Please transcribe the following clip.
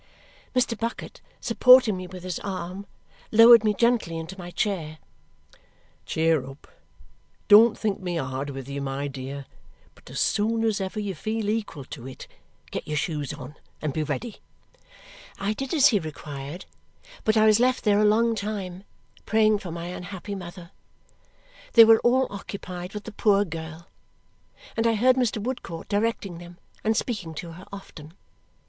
Mr. Bucket, supporting me with his arm, lowered me gently into my chair. "Cheer up! Don't think me hard with you, my dear, but as soon as ever you feel equal to it, get your shoes on and be ready." I did as he required, but I was left there a long time, praying for my unhappy mother. They were all occupied with the poor girl, and I heard Mr. Woodcourt directing them and speaking to her often.